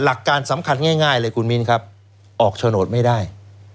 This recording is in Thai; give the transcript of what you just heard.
หลักการสำคัญง่ายเลยคุณมินครับออกโฉนดไม่ได้